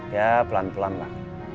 ya pelan pelan lah